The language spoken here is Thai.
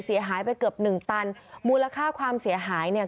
เสียหายไปเกือบหนึ่งตันมูลค่าความเสียหายเนี่ย